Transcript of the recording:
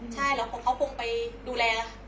ใช่แล้วเขาคงไปดูแล